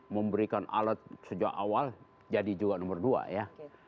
memberikan alat sejak awal jadi juga nomor dua ya